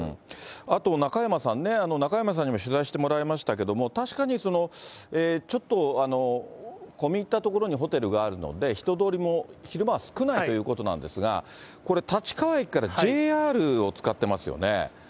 あと、中山さんね、中山さんにも取材してもらいましたけれども、確かにちょっと、込み入った所にホテルがあるので、人通りも昼間は少ないということなんですが、これ、立川駅からＪＲを使ってますよね。